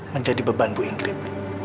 menjadi beban bu ingrid